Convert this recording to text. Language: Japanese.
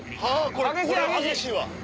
これ激しいわ！